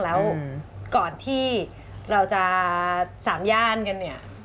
แล้วก่อนที่เราจะสามย่านกันเนี่ย